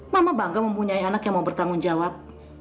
mama bangga mempunyai anak yang mau bertanggung jawab